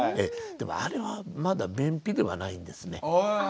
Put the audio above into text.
でもあれはまだ便秘ではないんですね。